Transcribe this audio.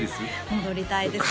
戻りたいですね